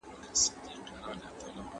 اتلس منفي يو؛ اوولس کېږي.